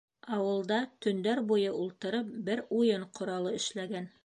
Ауылда төндәр буйы ултырып бер уйын ҡоралы эшләгән.